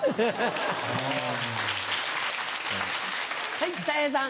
はいたい平さん。